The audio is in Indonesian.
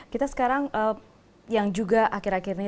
kita sekarang yang juga akhir akhir ini